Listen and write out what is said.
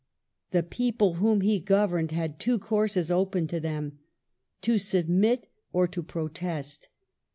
The people whom he gov erned had two courses open to them : to submit or to protest.